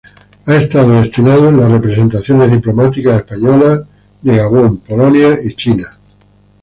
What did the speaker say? Ha estado destinado en las representaciones diplomáticas españolas en Gabón, Polonia y China.